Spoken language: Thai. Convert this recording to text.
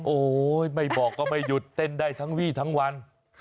โอ้โหไม่บอกก็ไม่หยุดเต้นได้ทั้งวี่ทั้งวัน